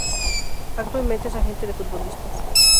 Actualmente es agente de futbolistas.